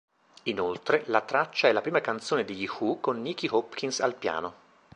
Inoltre, la traccia è la prima canzone degli Who con Nicky Hopkins al piano.